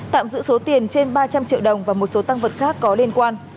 tạm giữ số tiền trên ba trăm linh triệu đồng và một số tăng vật khác có liên quan